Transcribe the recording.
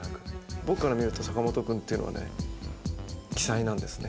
僕から見ると坂本くんっていうのはね奇才なんですね。